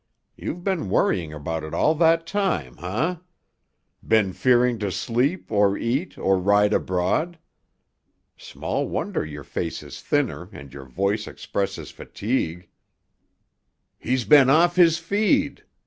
You've been worrying about it all that time, eh? Been fearing to sleep or eat or ride abroad? Small wonder your face is thinner and your voice expresses fatigue." "He's been off his feed!"